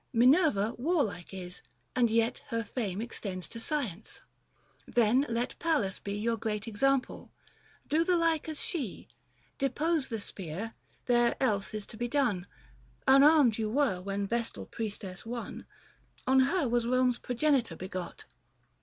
5 Minerva warlike is, — and yet her fame Extends to Science : then let Pallas be Your great example ; do the like as she — Depose the spear, there else is to be done, Unarmed you were, when Vestal Priestess won, 10 On her was Rome's progenitor begot.